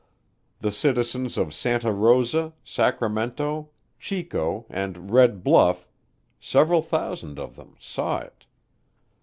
The citizens of Santa Rosa, Sacramento, Chico, and Red Bluff several thousand of them saw it.